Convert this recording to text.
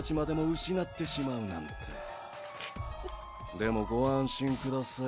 でもご安心ください。